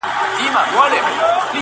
زلمي خوبونو زنګول کیسې به نه ختمېدي٫